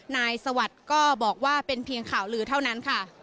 สวัสดิ์ก็บอกว่าเป็นเพียงข่าวลือเท่านั้นค่ะ